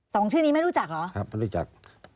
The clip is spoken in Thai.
สองชื่อนี้ไม่รู้จักเหรอครับไม่รู้จัก